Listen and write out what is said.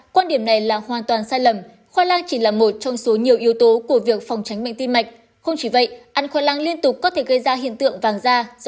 quan điểm này là hoàn toàn sai lầm khoai lang chỉ là một trong số nhiều yếu tố của việc phòng tránh